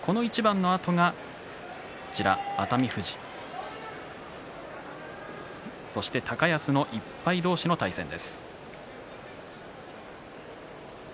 そのあとが熱海富士そして高安の１敗同士の対戦です。